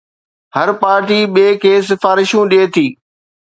هر party ٻئي کي سفارشون ڏئي ٿي